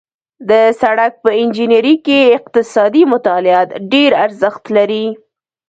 د سړک په انجنیري کې اقتصادي مطالعات ډېر ارزښت لري